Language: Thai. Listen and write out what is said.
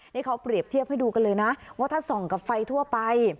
นี่เขาเปรียบเทียบให้ดูกันเลยนะว่าถ้าส่องกับไฟทั่วไป